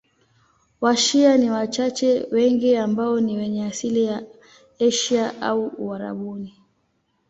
Washia ni wachache, wengi wao ni wenye asili ya Asia au Uarabuni.